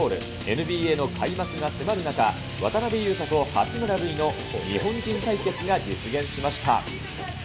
ＮＢＡの開幕が迫る中、渡邊雄太と八村塁の日本人対決が実現しました。